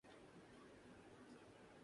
اس کی مدد سے ہم آسانی سے ٹیکسٹ لکھ سکتے ہیں